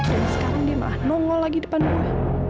dan sekarang dia malah nongol lagi depan gue